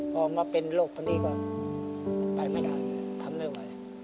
พอมาเป็นโรคคนนี้ก็ไปไม่ได้ไงทำไม่ไหว